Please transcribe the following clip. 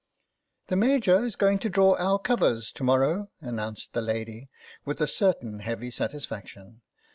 "The Major is going to draw our covers to morrow," announced the lady, with a certain heavy satisfaction.